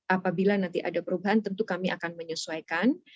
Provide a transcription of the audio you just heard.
apabila nanti ada perubahan tentu kami akan menyesuaikan